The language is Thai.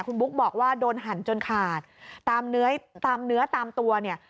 คุณบุ๊คบอกว่าโดนหันจนขาดตามเนื้อตามตัวเนี่ย